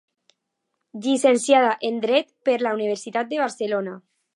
Llicenciada en Dret per la Universitat de Barcelona.